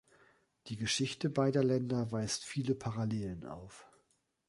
Die Geschichte beider Länder weist viele Parallelen auf.